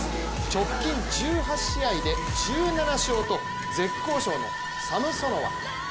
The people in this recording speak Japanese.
直近１８試合で１７勝と絶好調のサムソノワ。